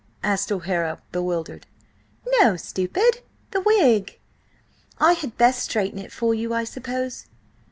asked O'Hara, bewildered. "No, stupid, the wig. I had best straighten it for you, I suppose."